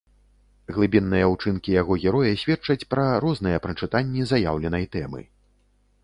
Глыбінныя ўчынкі яго героя сведчаць пра розныя прачытанні заяўленай тэмы.